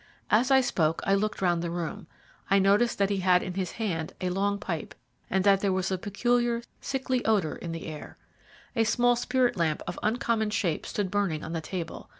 As I spoke I looked round the room. I noticed that he had in his hand a long pipe, and that there was a peculiar, sickly odour in the air. A small spirit lamp of uncommon shape stood burning on the table.